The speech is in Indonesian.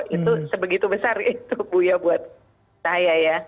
itu sebegitu besar itu bu ya buat saya ya